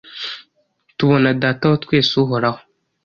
Tubona Data wa twese, Uhoraho,